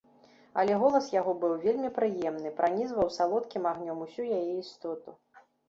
Але голас яго быў вельмі прыемны, пранізваў салодкім агнём усю яе істоту.